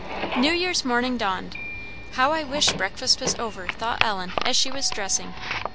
New Year's morning dawned. "How I wish breakfast was over!" thought Ellen as she was dressing.